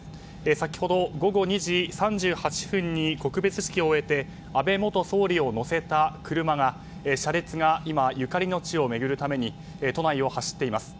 先ほど午後２時３８分に告別式を終えて安倍元総理を乗せた車列が今、ゆかりの地を巡るために都内を走っています。